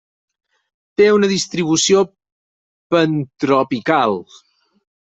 Té una distribució pantropical.